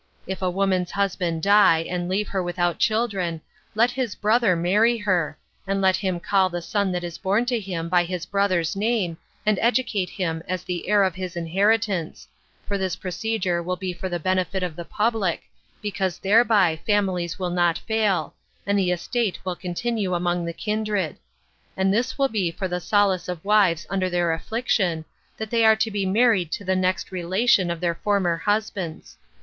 If a woman's husband die, and leave her without children, let his brother marry her, and let him call the son that is born to him by his brother's name, and educate him as the heir of his inheritance, for this procedure will be for the benefit of the public, because thereby families will not fail, and the estate will continue among the kindred; and this will be for the solace of wives under their affliction, that they are to be married to the next relation of their former husbands.